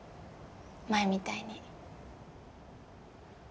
前みたいに。